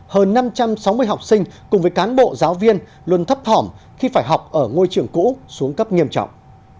hơn năm trăm sáu mươi học sinh cùng với cán bộ giáo viên luôn thấp thỏm khi phải học ở ngôi trường cũ xuống cấp nghiêm trọng